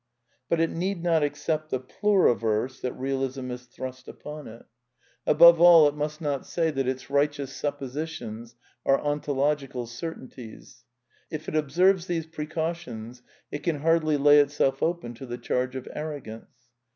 But it need not accept the Pluriverse that Eealismy has thrust upon it. THE NEW KEALISM 239 Above all, it must not say that its righteous suppositions are ontological certainties. If it oteerves these precautions it can hardly lay itself open to the charge of arrogance.